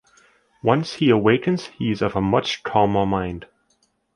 Once he awakens, he is of a much calmer mind.